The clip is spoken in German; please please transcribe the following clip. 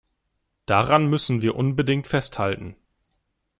Daran müssen wir unbedingt festhalten.